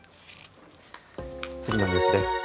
次のニュースです。